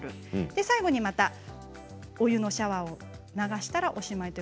最後にまたお湯のシャワーを流したら、おしまいです。